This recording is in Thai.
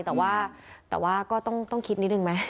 แต่ว่าก็ต้องคิดนิดนึงไหม